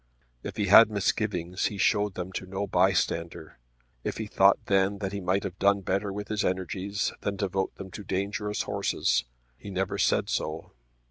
If he had misgivings he showed them to no bystander. If he thought then that he might have done better with his energies than devote them to dangerous horses, he never said so.